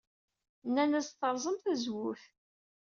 Nenna-as ad terẓem tazewwut.